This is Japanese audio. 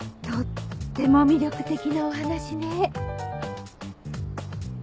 とっても魅力的なお話ね。